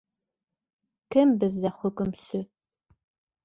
— Кем беҙҙә хөкөмсө?